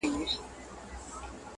نه داسې خیال حاکم دی